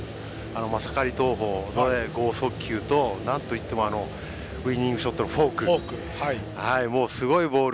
マサカリ投法で剛速球とあとは、なんといってもウイニングショットのフォークボール。